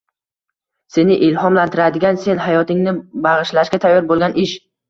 seni ilhomlantiradigan, sen hayotingni bagʻishlashga tayyor boʻlgan ish.